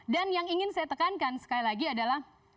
dan yang ingin saya tekankan sekali lagi adalah